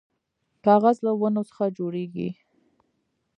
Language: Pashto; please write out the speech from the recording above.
کاغذ له ونو څخه جوړیږي